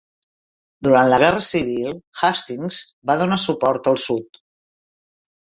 Durant la Guerra Civil, Hastings va donar suport al Sud.